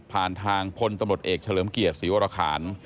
ทางพลตำรวจเอกเฉลิมเกียรติศรีวรคาร